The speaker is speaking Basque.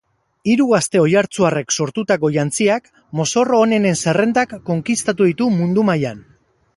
Hiru gazte oiartzuarrek sortutako jantziak mozorro onenen zerrendak konkistatu ditu mundu mailan.